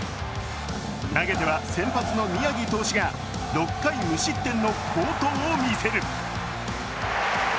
投げては先発の宮城投手が６回無失点の好投を見せる。